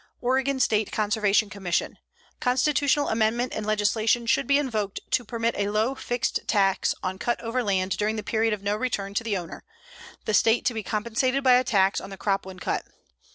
OREGON STATE CONSERVATION COMMISSION: Constitutional amendment and legislation should be invoked to permit a low fixed tax on cut over land during the period of no return to the owner, the State to be compensated by a tax on the crop when cut.